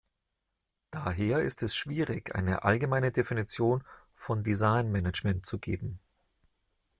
Daher ist es schwierig, eine allgemeine Definition von Designmanagement zu geben.